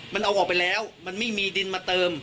มันเอาออกไปแล้วมันไม่มีดินมาเติม